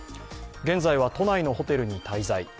現在は、都内のホテルに滞在。